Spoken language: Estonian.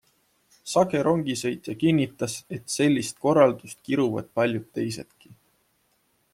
Sage rongisõitja kinnitas, et sellist korraldust kiruvad paljud teisedki.